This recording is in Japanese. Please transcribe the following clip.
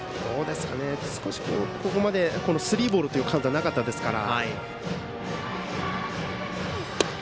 少しここまでスリーボールというカウントはなかったですから。